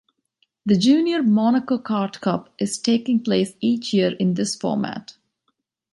The Junior Monaco Kart Cup is taking place each year in this format.